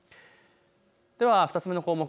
では２つ目の項目。